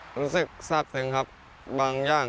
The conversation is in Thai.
รู้สึกทราบซึ้งครับบางอย่าง